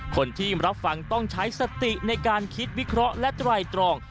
คนที่รับฟังต้องใช้สติในการคิดวิเคราะห์และไตรตรอง